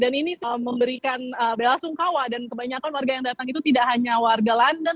dan ini memberikan bela sungkawa dan kebanyakan warga yang datang itu tidak hanya warga london